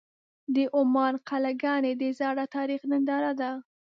د عمان قلعهګانې د زاړه تاریخ ننداره ده.